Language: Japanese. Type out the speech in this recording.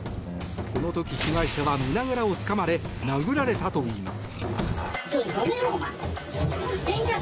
この時、被害者は胸ぐらをつかまれ殴られたといいます。